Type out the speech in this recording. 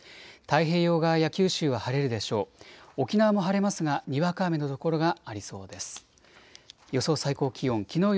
太平洋側や九州は晴れるでしょう。